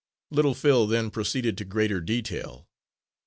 Little Phil then proceeded to greater detail.